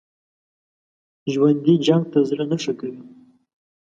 ژوندي جنګ ته زړه نه ښه کوي